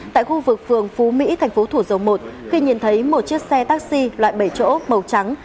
tại khu vực phường phú mỹ thành phố thủ dầu một khi nhìn thấy một chiếc xe taxi loại bảy chỗ màu trắng